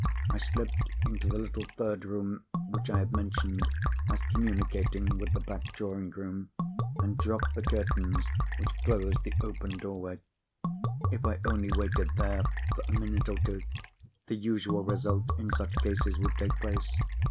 I slipped into the little third room, which I have mentioned as communicating with the back drawing room, and dropped the curtains which closed the open doorway. If I only waited there for a minute or two, the usual result in such cases would take place.